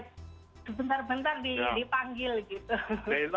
sebentar bentar dipanggil gitu